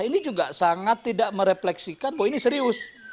ini juga sangat tidak merefleksikan bahwa ini serius